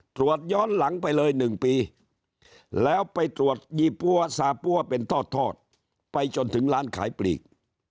ตรวจย้อนหลังไปเลย๑ปีแล้วไปตรวจยี่ปั้วซาปั้วเป็นทอดไปจนถึงร้านขายปลีก